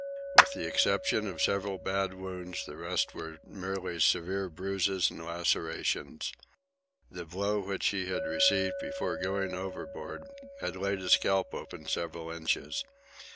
With the exception of several bad wounds, the rest were merely severe bruises and lacerations. The blow which he had received before going overboard had laid his scalp open several inches.